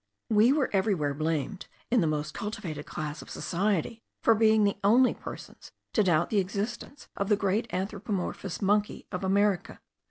We were everywhere blamed, in the most cultivated class of society, for being the only persons to doubt the existence of the great anthropomorphous monkey of America.